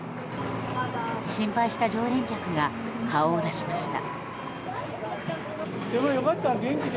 心配した常連客が顔を出しました。